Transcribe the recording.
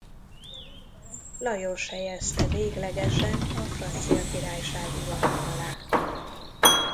Lajos helyezte véglegesen a francia királyság uralma alá.